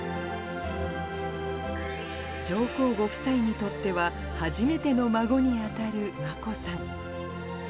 上皇ご夫妻にとっては初めての孫に当たるまこさま。